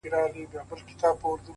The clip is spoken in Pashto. پر دې دُنیا سوځم پر هغه دُنیا هم سوځمه.